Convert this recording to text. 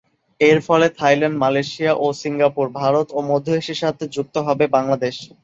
এর ফলে Thailand, Malaysia ও সিঙ্গাপুর, ভারত ও মধ্য এশিয়ার সাথে যুক্ত হবে বাংলাদেশ।